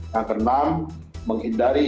yang keenam menghindari